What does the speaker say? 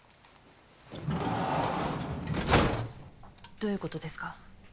どういう事ですか？